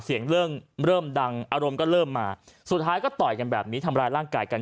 เสียงเริ่มเริ่มดังอารมณ์ก็เริ่มมาสุดท้ายก็ต่อยกันแบบนี้ทำร้ายร่างกายกัน